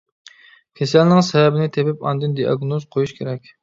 كىسەلنىڭ سەۋەبىنى تېپىپ ئاندىن دىئاگنوز قويۇش كېرەك.